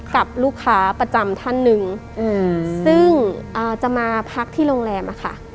กับลูกค้าประจำท่านหนึ่งซึ่งจะมาพักที่โรงแรมอะค่ะ